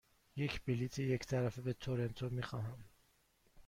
یک بلیط یک طرفه به تورنتو می خواهم.